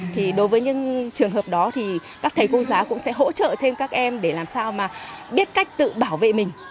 thì đối với những trường hợp đó thì các thầy cô giáo cũng sẽ hỗ trợ thêm các em để làm sao mà biết cách tự bảo vệ mình